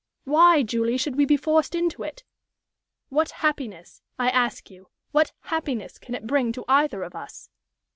Why, Julie, should we be forced into it? What happiness I ask you what happiness can it bring to either of us?"